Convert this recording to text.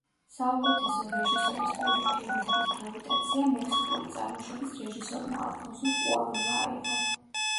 საუკეთესო რეჟისორის პრიზი ფილმისთვის „გრავიტაცია“ მექსიკური წარმოშობის რეჟისორმა, ალფონსო კუარონმა, აიღო.